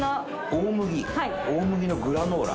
大麦のグラノーラ？